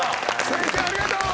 先生ありがとう！